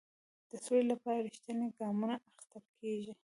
د سولې لپاره رښتیني ګامونه اخیستل کیږي.